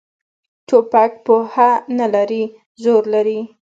توپک پوهه نه لري، زور لري.